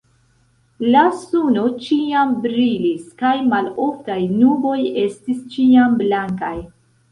La suno ĉiam brilis kaj maloftaj nuboj estis ĉiam blankaj.